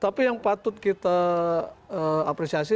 tapi yang patut kita apresiasi